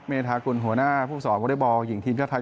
มีรภาคุณหัวหน้าผู้สอบวลิบอลหญิงทีมเทศไทย